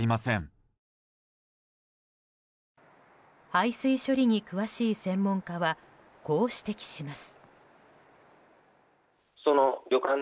排水処理に詳しい専門家はこう指摘します。